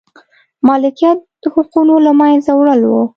مالکیت حقونو له منځه وړل و.